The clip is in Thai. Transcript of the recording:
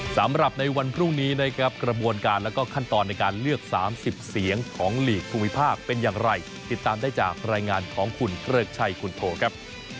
สำหรับในวันพรุ่งนี้นะครับ